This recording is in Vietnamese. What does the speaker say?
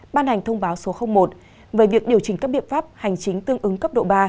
ban hành thông báo số một về việc điều chỉnh các biện pháp hành chính tương ứng cấp độ ba